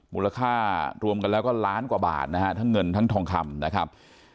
มูลค่ารวมกันแล้วก็ล้านกว่าบาทนะฮะทั้งเงินทั้งทองคำนะครับ